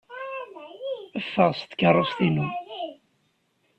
Ffeɣ seg tkeṛṛust-inu!